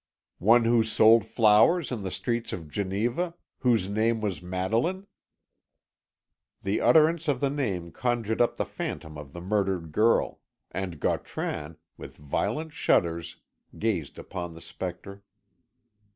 "One who sold flowers in the streets of Geneva whose name was Madeline?" The utterance of the name conjured up the phantom of the murdered girl, and Gautran, with violent shudders, gazed upon the spectre.